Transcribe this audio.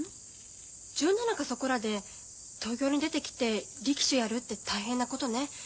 １７かそこらで東京に出てきて力士をやるって大変なことね。